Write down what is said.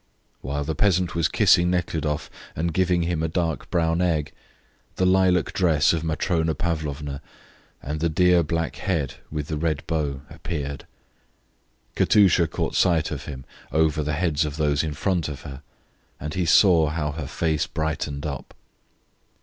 While the peasant was kissing Nekhludoff and giving him a dark brown egg, the lilac dress of Matrona Pavlovna and the dear black head with the red bow appeared. Katusha caught sight of him over the heads of those in front of her, and he saw how her face brightened up.